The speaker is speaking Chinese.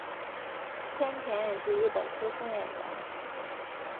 千田是也是日本资深演员。